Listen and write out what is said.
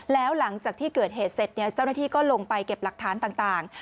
แล้วหลังจากที่เกิดเหตุเสร็จเจ้าหน้าที่ก็ลงไปเก็บหลักฐานต่าง